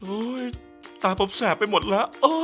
อุ้ยตาผมแสบไปหมดละ